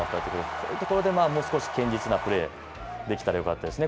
こういうところでもう少し堅実なプレー出来たらよかったですね。